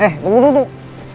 eh tunggu duduk